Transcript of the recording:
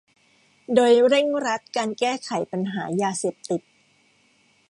โดยเร่งรัดการแก้ไขปัญหายาเสพติด